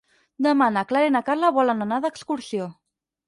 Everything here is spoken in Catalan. Demà na Clara i na Carla volen anar d'excursió.